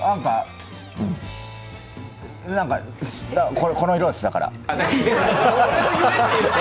この色です、だから。